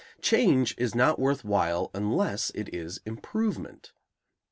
Change is not worth while unless it is improvement.